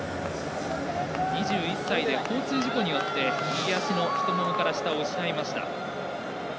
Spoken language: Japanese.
２１歳で交通事故によって右足の太ももから下を失いました。